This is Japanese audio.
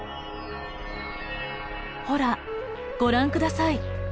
ほらご覧下さい。